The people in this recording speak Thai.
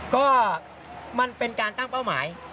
ก็มันเป็นการตั้งเป้าหมาย